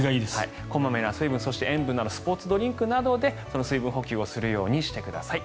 小まめな水分スポーツドリンクなどで水分補給をするようにしてください。